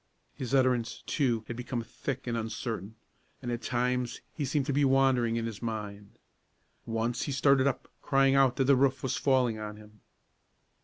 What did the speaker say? His utterance, too, had become thick and uncertain, and at times he seemed to be wandering in his mind. Once he started up, crying out that the roof was falling on him.